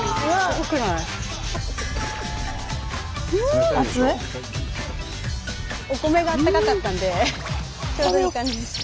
スタジオお米があったかかったんでちょうどいい感じでした。